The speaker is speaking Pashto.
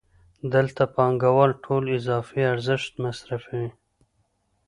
دلته پانګوال ټول اضافي ارزښت مصرفوي